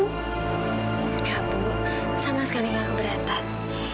gak bu sama sekali gak keberatan